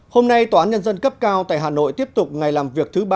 hôm nay tòa án nhân dân cấp cao tại hà nội tiếp tục ngày làm việc thứ ba